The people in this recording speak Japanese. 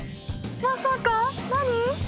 まさか？何？